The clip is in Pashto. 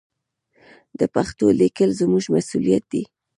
د پښتو لیکل زموږ مسوولیت دی.